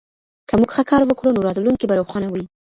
که موږ ښه کار وکړو نو راتلونکی به روښانه وي.